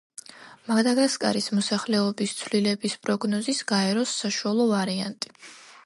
მადაგასკარის მოსახლეობის ცვლილების პროგნოზის გაეროს საშუალო ვარიანტი.